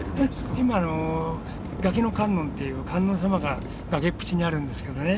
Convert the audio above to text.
今崖の観音っていう観音様が崖っぷちにあるんですけどね。